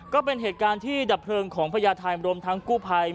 ก็เป็นเหตุการณ์ที่ดับเพลิงของพระยาทายอำรวมทางกู้ไพร